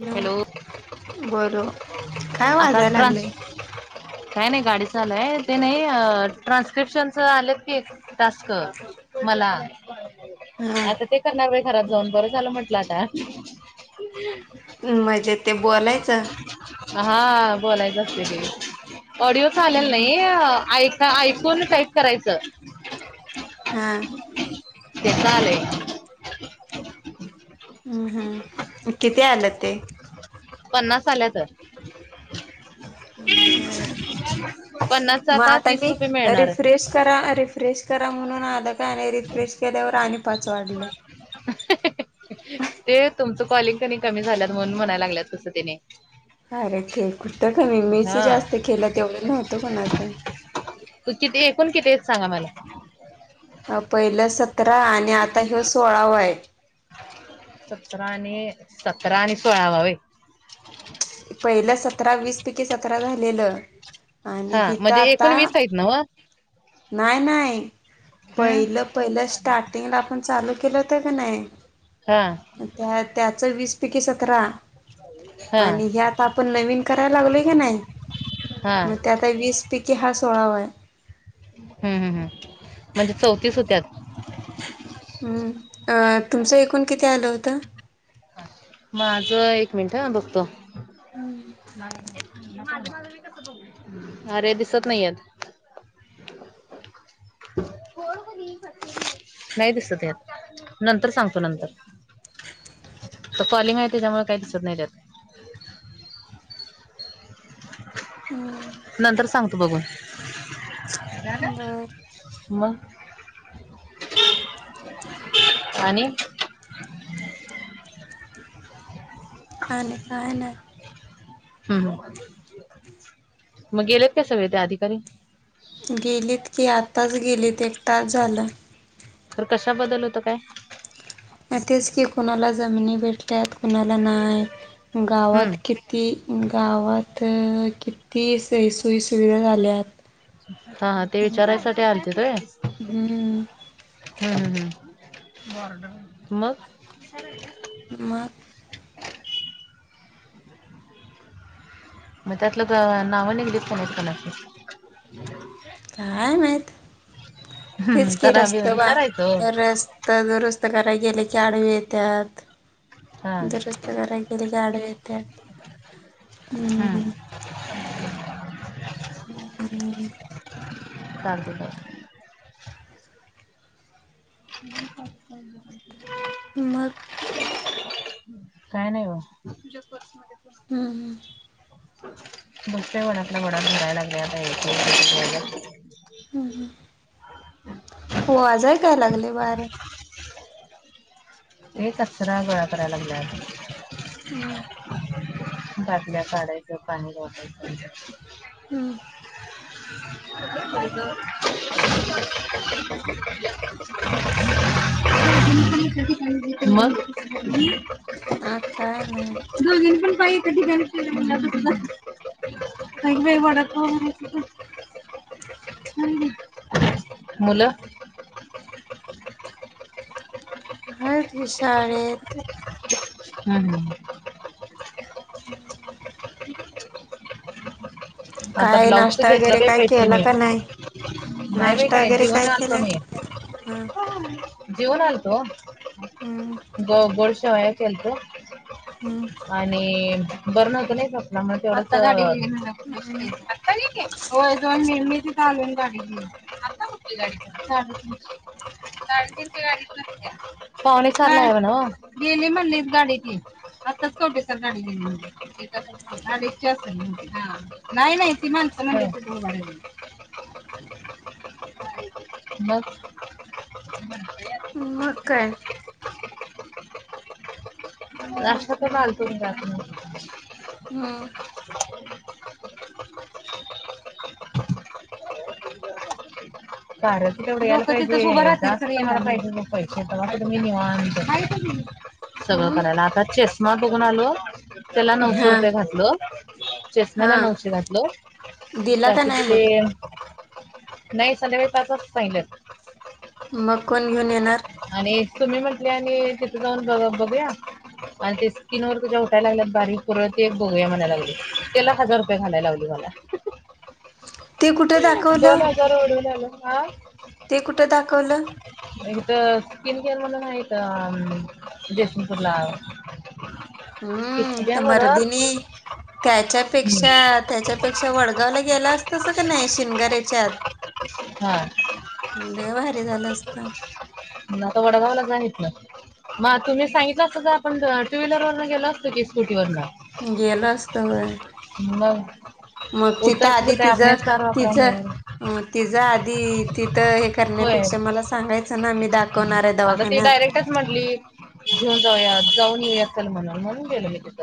Hello बोल काय आता वाजाय ट्रान्स लागलेय. काय नाही गाडी चालय ते नाही ट्रान्स्क्रिप्शनच आलेत की तस् मला हा आता ते करणार व घरात जाऊन ब झा म्हटलं का? हम् म्हणजे ते बोलायचं. हा बोलायचं असते र ऑडिओ चालेल नाही ऐक ऐकून काही करायचं. हां तेेतले आहे. हम्म हम्म किती आलं ते पन्नास आल्यात तर घर पन्नासच मग आता तीस मी रुपये मिळणार रिफ्रेश करा रिफ्रेश करा म्हणून आल का आणि रिफ्रेश केल्यावर आणि पाच वाढलं ते तुमचं कॉलिंग कनी कमी झालंत म्हणून म्हणायला लागल्यात कसं तने अरे खेळ कूठत खमी मेच हा जास्त केलं तेवढं नव्हतं कोणाचं एकऐण कितीच सांगा मला अ पहिलं सतरा आणि आता ह सोळाव वय सतरा आणि सतरा आणि सोळा वावे पहिलं सतरा वीस पैकी सतरा झालेलं आणि हा हिथ म्हणजे आता एकूण वीस आहेत नव नाही नाय नाय पहिलं पहिलं स्टार्टिंगला आपण चालू केलं होत का नाही हा त्या त्याच वीस पैकी सतरा हा आणि हे आता आपण नवीन करायला लागलोय की ना हा मग त्याता वीस पैकी हा सोळावा आहे हम्म हम् हम म्हणजे चौतीस होत्यात हु अ तुमचं एककूण किती आलं होतं माझं एक मिनिट ह बघतो अरे दिसत नाही येत नाही दिसत यात नंतर सांगतो नंतर तर कॉलिंग आहे त्याच्यामुळे काही दिसत नाही त्यात हम्म नंतर सांगतो बघून ध्यान बर मग आणि आनी आहे ना हम् मग गेलेत काय सगळे त्या अधिकारी गेलीत की आताच गेलीत एक तास झाला तर कशा बदल होतो काय अ तेच की कोुणाला जमिनी भेटल्यात कुणाला नाही हम्म गावात की ती गावात किती सुोई सोई सुविधा झाल्यात हा ते विचारायसाठी आलते तय हम्म हम्म ह हम मग हालां निका मग मग त्यातलं तो नावनी बीफोन केलात काय माहीत हम्म तेच कि तर आम्ही रस्त बा विचारायचं रस् त दुरुस्त कराला गेले की आडवे येतात हा दुरुस्त कराय गेली आडवा येत हम् हा हा हम् चाळ गेला पु... मग काय नाही व ऐक वर्षे हम्म हम् बसते मण आपल्या घड भरायला लागले आता ह् हो आजय काय लागले वार एक कचरा गोळा कराला लागला आता हम बादल्या काढायचं पाणी बोटायचं पण [inaudible] [unintelligible] ह [unintelligible] मग. हा काय नाही? दोघींनी पण पाय एका ठिकाणीच ठेवलेत. काय ग बाई वडापाव? हम्म. मुलं. हायेत की शाळेत हा हा. [inaudible] आता काय ब्लाऊजच नाश्ता घेतलं वगैरे काय पैसे? केला मी का नाही नाही बाई नाश्ता काय वगैरे जीवून आलतो केलाय मी. हा थांब. जेवून आलतो हम्म ओ गोड शेवाया केलतो. हां. आणि बरं नव्हतं नाही. सपना मुळ म्हनुन तेव्हढच. आता आणि दोन निर्मिती. चालून गाडी घेऊ गाडी चालून. गाडी तेन ते गाडीतन पण आणतिया पावणे चारला हाय म्हण ओ, गेली म्हणलीत गाडी ती आताच, कवठेसार गाडी गेली म्हण. ती अडीच ची असल मग हां. नाही नाही ती माणस म्हणलीत. बस. मग काय? नाष्टा करून आलतो घरातन हां. [inaudible] कारयाच तेवढं यायला पाहिजे, जास्त यायला पाहिजे बघ, पैसे तवा कुठ मी निवांत? सगळं करायला, हम्म आता चष्मा बघून आलो, त्याला नऊशे हा रुपये घातलं. हा चेष्म्याला नऊशे घातलो, दिला का बाकीचे नाही मग ते नाही संध्याकाळी पाच वाजता सांगितल्यात. मग कोण घेऊन येणार? आणि तुम्ही म्हटले आणि तिथे जाऊन बघ बघूया. आणि ते स्किन वर तुझ्या उठायला लागल्यात, बारीक पुरळ ते एक बघूया म्हणाय लागली, त्याला एक हजार ते घालाय लावली मला. ह [inaudible] दोन हजार उडवून आलो हा. ते कुठं दाखवलं? तर स्किन केअर म्हणून आहे जयसिंगपूरला किती हम्म ते द्या बरं मरदी नि त्याच्यापेक्षा हा त्याच्यापेक्षा वडगावला गेला असतासा का नाही, शिनगाऱ्याच्यात हा. लय भारी झालं असत. म आता वडगावला जा हिथन. मग तुम्ही सांगितलं असत तर, आपण टू व्हीलरवरन गेलो असतो की, स्कूटीवरन गेलो असतो व्हय. मग. मग तिथं उठताच आधी काय तिज आपण स्टार वापरा तिचं. म्हणून अ तिझ आधी तिथं हे होय करण्यापेक्षा मला सांगायचं ना आ मी दाखवणार हाय दवाखान्यात च म्हटली घेऊन जाऊयात जाऊन येऊयात चल म्हणून, म्हणून गेलं मी तिथ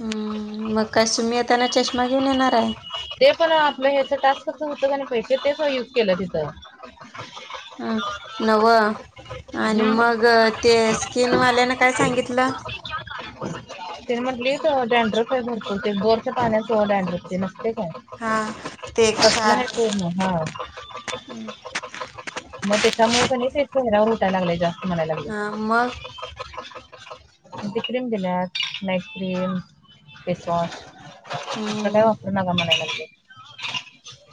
हम्म मग का सुमी येताना चष्मा घेऊन येणार आहे? ते पण आपलं ह्याच टास्कच होतं का नाही पैसे तेच युज केलं तिथं. [unintelligible] [inaudible] अ नव आणि तिथं मग ते स्किनवाल्यान काय सांगितलं? हो तने म्हटली डँड्रफ आहे भरपूर ते बोरच्या पाण्याचं डँड्रफ नसतय काय हा ते तसलं क्षार. आहे पूर्ण हा मग त्याच्यामुळे क नाही ते चेहेऱ्यावर उठायला लागलय जास्त म्हणायला लागले. हा मग ती क्रीम दिल्यात नाईट क्रीम, फेसवाॅश तसल काही वापरू हम्म नका म्हणाय लागले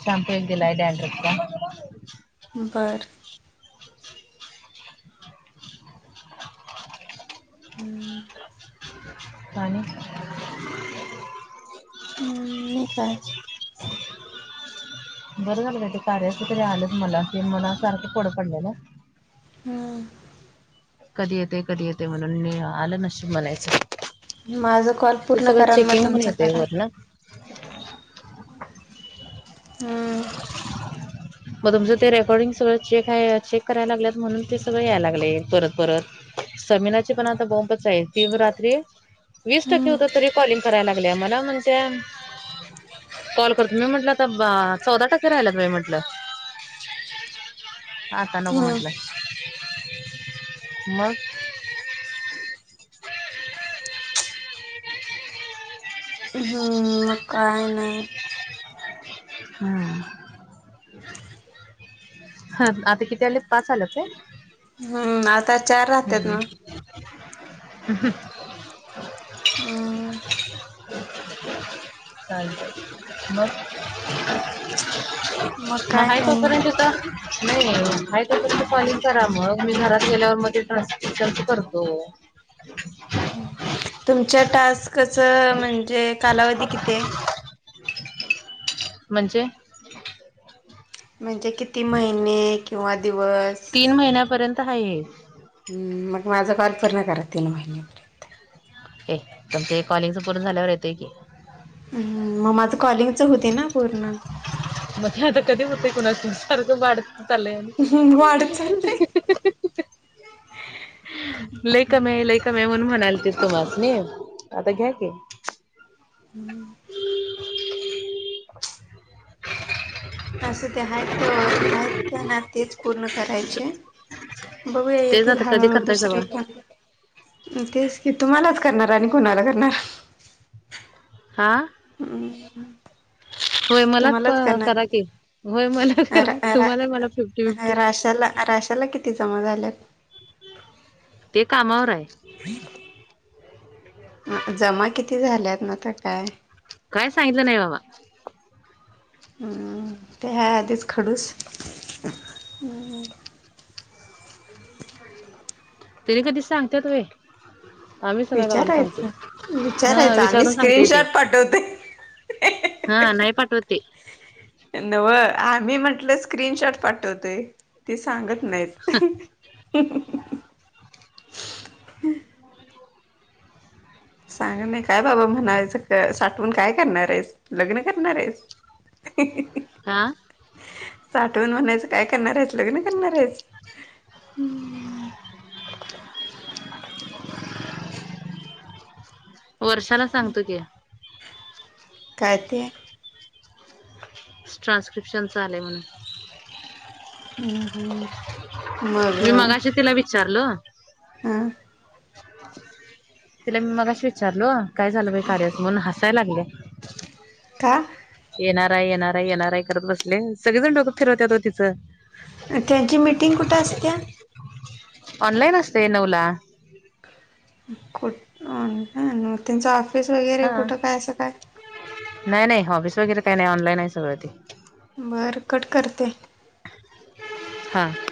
शॅम्पू एक दिलाय डँड्रफ बरं हमं पाणी हम्म नाही काय [unintelligible] [inaudible] [unintelligible] [inaudible] बरं झालं ते कार्याच तरी आलेत मला कि मला सारखं कोड पडलेलं. हम्म कधी येताय कधी येताय म्हणून मी आलं नशीबात माझा कॉल ते पूर्ण सगळं करा न चेकिंग मग होऊन तुमचा येतय करा वरन. हम्म मग तुमचं ते रेकॉर्डिंग सगळं चेक आहे, चेक करायला लागलेत म्हणून ते सगळ यायला लागले परत परत. समीनाची पण आता बोंबच आहे ती तर रात्री वीस टक्के हम्म होत तरी कॉलिंग करायला लाग लागल्या मला म्हणत्या कॉल करतो, मी म्हटलं बा आता चौदा टक्के राहिल्यात बाई म्हटलं. आता नको हम्म म्हटलं, मग? हम्म, मग काय नाही [inaudible] हम्म [inaudible] ह हा आता किती आलेत, पाच आल्यात काय? हम्म आता चार राहत्यात नवं [inaudible] ह हम्म [inaudible] चालतंय, मग? [inaudible] मग काय आहे नाही तोपर्यंत का नाही हाय तो पर्यंत कॉलिंग करा मग, मी घरात गेल्यावर मग तिथं असेल तर करतो. [inaudible] तुमच्या टास्कच म्हणजे कालावधी किती आहे? म्हणजे? म्हणजे किती महिने किंवा दिवस? तीन महिन्यापर्यंत आहे हे. मग माझा कॉल पूर्ण करा तीन महिने हे तुमच कॉलिंगच पूर्ण झाल्यावर येतंय की, हम्म मग माझं कॉलिंगच होतय ना पूर्ण. म ते आता कधी होतय कुणाश ठाऊक, सारखं वाढत चाललंय आणि हम्म वाढत चाललंय. [inaudible] लय कमी आहे लय कमी आहे, म्हणून म्हणालतीत तुम्हासनी आता घ्या की, हम्म असू ते आहेत तेव, आहेत तेना तेच पूर्ण करायचे. बघूया तेच येतील आता कधी हळूहळू करताय दुसरे सगळं पण हुं तेच की, तुम्हालाच करणार आणि कुणाला करणार? हां? हूं. होय [unintelligible] मलाच तुम्हालाच क- करणार करा की होय मला अर करा तुम्हाला मला फिफ्टी फिफ्टी आरा [inaudible] राशाला रा त्याला किती जमा झाल्यात? ते कामावर य. [inaudible] हुं, जमा किती झाल्यात ना तर काय? कायच सांगितलं नाही बाबा. हम्म ते आहे आधीच खडूस. त्यांनी कधी सांगत्यात व्हय. आम्ही [inaudible] सगळ्या गावाला सांगतोय हा विचारायच-विचारायच आम्ही विचारून सांगतोय ते स्क्रीनशॉट पाठवतोय. हा नाही पाठवत‌ ते. नवं आम्ही म्हटलं स्क्रीनशॉट पाठवतोय ते, सांगत नइत. सांग नाही काय बाबा म्हणायचं, साठवून काय करणारेस, लग्न करणारेस? हि हि [unintelligible] आं? साठवून म्हणायचं काय करणारेस लग्न करणारेस? [inaudible] वर्षाला सांगतो की. काय ते? ट्रान्स्क्रिप्शन चा आलय म्हणून. हम्म -हम्म. मग मी मगाशी तिला विचारल हं? तिला मी मगाशी विचारलो, काय झालं बाय कार्याच? म्हणून हसायला लागलय. का? येणार आहे, येणार आहे, येणार आहे करत बसल्या सगळेजण डोक फिरवत्यात ओ तिचं. त्याची मिटिंग कुठं असत्या? [unintelligible] [inaudible] ऑनलाईन असते नऊ ला. कुठ [unintelligible] मग त्यांचं ऑफिस वगैरे, कुठं काय असं काय? नाय नाय ऑफिस वगैरे काही नाही, ऑनलाईन अ सगळ ते. बरं कट करते. हां.